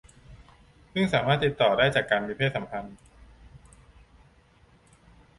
ซึ่งสามารถติดต่อได้จากการมีเพศสัมพันธ์